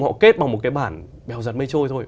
họ kết bằng một cái bản bèo giật mây trôi thôi